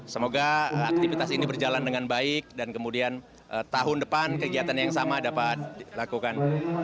semoga aktivitas ini berjalan dengan baik dan kemudian tahun depan kegiatan yang sama dapat dilakukan